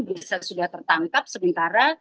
bisa sudah tertangkap sementara